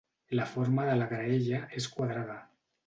La forma de la graella és quadrada.